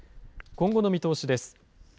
今後の見通しです。